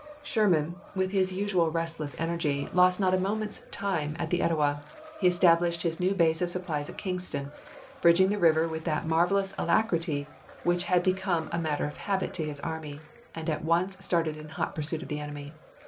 Sherman, with his usual restless energy, lost not a moment's time at the Etowah. He established his new base of supplies at Kingston, bridging the river with that marvelous alacrity which had be come a matter of habit to his army, and at once started in hot pursuit of the enemy.